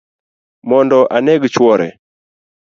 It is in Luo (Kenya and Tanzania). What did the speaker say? Mondo aneg chuore